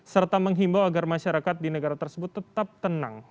serta menghimbau agar masyarakat di negara tersebut tetap tenang